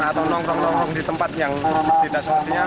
atau nongkrong nongkrong di tempat yang tidak sepertinya